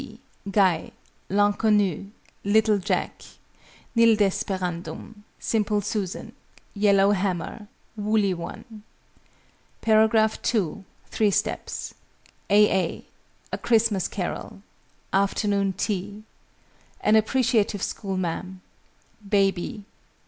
K. C. GUY. L'INCONNU. LITTLE JACK. NIL DESPERANDUM. SIMPLE SUSAN. YELLOW HAMMER. WOOLLY ONE. § 2 (3 steps). A. A. A CHRISTMAS CAROL. AFTERNOON TEA. AN APPRECIATIVE SCHOOLMA'AM. BABY.